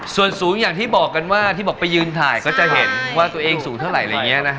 ส่วนสูงอย่างที่บอกกันว่าถึงกล่ะด้วย